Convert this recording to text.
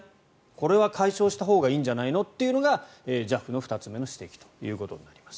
これは解消したほうがいいんじゃないというのがＪＡＦの２つ目の指摘となります。